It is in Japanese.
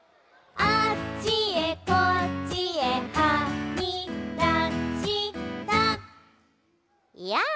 「あっちへこっちへはみだしたやあ」